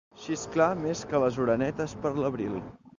Xisclar més que les orenetes per l'abril.